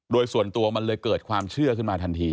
โดยส่วนตัวมันเลยเกิดความเชื่อขึ้นมาทันที